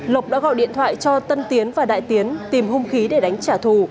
lộc đã gọi điện thoại cho tân tiến và đại tiến tìm hung khí để đánh trả thù